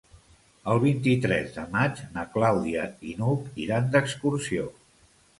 El vint-i-tres de maig na Clàudia i n'Hug iran d'excursió.